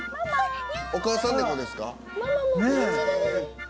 お母さんネコですか？